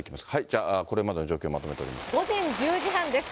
じゃあ、これまでの状況をまとめ午前１０時半です。